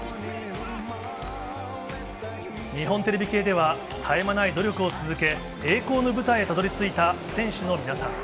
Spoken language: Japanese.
日本テレビ系では絶え間ない努力を続け、この舞台にたどり着いた選手の皆さん。